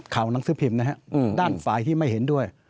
หนังสือพิมพ์นะฮะด้านฝ่ายที่ไม่เห็นด้วย